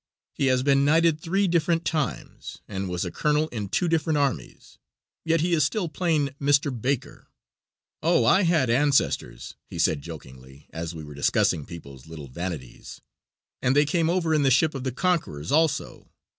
He has been knighted three different times, and was colonel in two different armies, yet he is still plain Mr. Baker. "Oh, I had ancestors," he said, jokingly, as we were discussing people's little vanities, "and they came over in the ship of the conquerors, also.